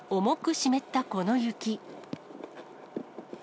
重く湿ったこの雪。